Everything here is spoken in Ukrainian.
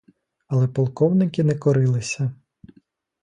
Але полковники не корилися.